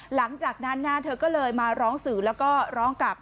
หลังจากนั้นเธอก็เลยมาร้องสื่อแล้วก็ร้องกับ